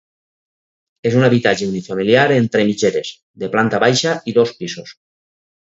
És un habitatge unifamiliar entre mitgeres, de planta baixa i dos pisos.